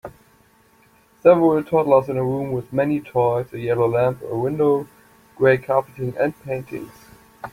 Several toddlers in a room with many toys a yellow lamp a window gray carpeting and paintings